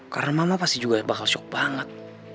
karena mama pasti juga bakal shock banget